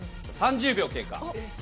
３０秒経過。